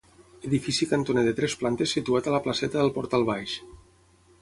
Edifici cantoner de tres plantes situat a la Placeta del Portal Baix.